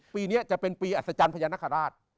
ปีนี้จะเป็นปีอัศจรรย์พญานาคาราช